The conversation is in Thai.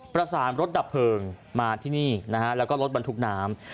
ประสานรถดับเพลิงมาที่นี่นะฮะแล้วก็รถบรรทุกน้ำ